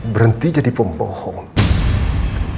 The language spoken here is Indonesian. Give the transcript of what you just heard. berhenti jadi pembohong